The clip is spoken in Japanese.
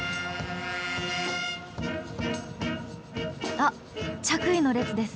あっ着衣の列です。